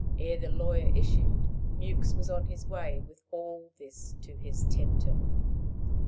Ere the lawyer issued, Mewks was on his way with all this to his tempter.